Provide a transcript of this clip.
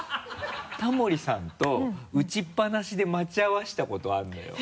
タモリさんと打ちっぱなしで待ち合わせたことあるのよ。